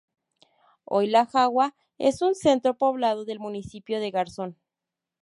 Hoy la Jagua es un centro poblado del municipio de Garzón.